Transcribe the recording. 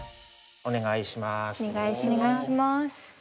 お願いします。